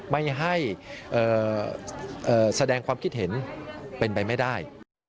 ไม่ให้แสดงความคิดเห็นเป็นไปไม่ได้